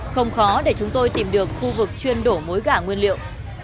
không khó để chúng tôi tìm được khu vực chuyên đổ mối gà nguyên liệu